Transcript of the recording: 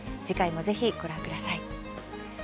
次回もぜひ、ご覧ください。